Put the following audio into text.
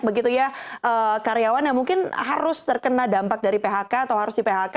begitu ya karyawan yang mungkin harus terkena dampak dari phk atau harus di phk